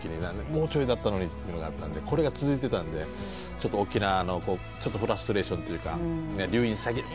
もうちょいだったのにっていうのがあったんでこれが続いてたんでちょっと沖縄のフラストレーションというか留飲下げる